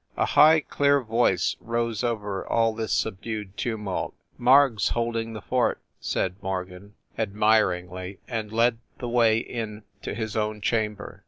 A high, clear laugh rose over all this subdued tumult. "Marg s holding the fort!" said Morgan, admir ingly, and led the way in to his own chamber.